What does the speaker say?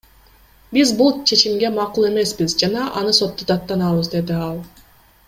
Биз бул чечимге макул эмеспиз жана аны сотто даттанабыз, — деди ал.